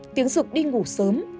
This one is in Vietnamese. tiếng rực đi ngủ sớm